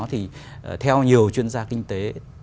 thì theo nhiều chuyên gia kinh tế